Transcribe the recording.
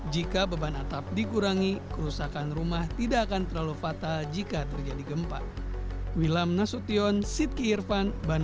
jika beban atap dikurangi kerusakan rumah tidak akan terlalu fatal jika terjadi gempa